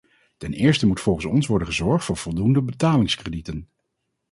Ten eerste moet volgens ons worden gezorgd voor voldoende betalingskredieten.